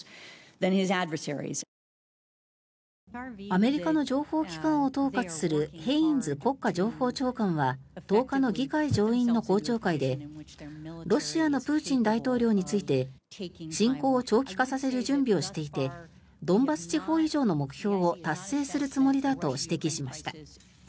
アメリカの情報機関を統括するヘインズ国家情報長官は１０日の議会上院の公聴会でロシアのプーチン大統領について侵攻を長期化させる準備をしていてドンバス地方以上の目標を達成するつもりだと指摘しました。